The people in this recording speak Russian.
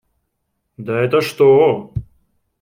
Да это что!